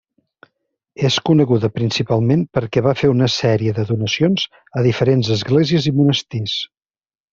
És coneguda principalment perquè va fer una sèrie de donacions a diferents esglésies i monestirs.